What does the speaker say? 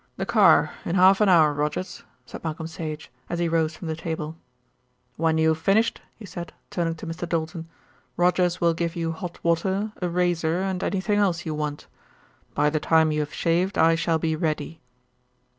"The car in half an hour, Rogers," said Malcolm Sage, as he rose from the table. "When you've finished," he said, turning to Mr. Doulton, "Rogers will give you hot water, a razor and anything else you want. By the time you have shaved I shall be ready."